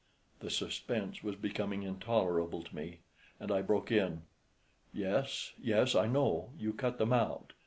The suspense was becoming intolerable to me, and I broke in, "Yes, yes, I know; you cut them out.